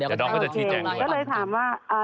ก็เลยถามว่า